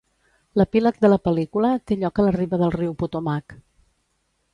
L’epíleg de la pel·lícula té lloc a la riba del riu Potomac.